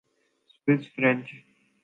Swiss French